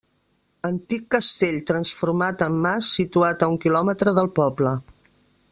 Antic castell transformat en mas situat a un quilòmetre del poble.